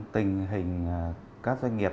tình hình các doanh nghiệp